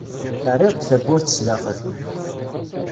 Terriḍ-d tawwurt sdaxel.